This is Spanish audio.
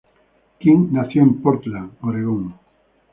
King nació en Portland, Oregón.